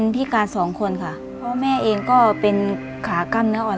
พิการสองคนค่ะเพราะแม่เองก็เป็นขากล้ามเนื้ออ่อน